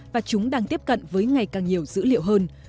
và chúng đang tiếp cận với ngày càng nhiều dữ liệu hơn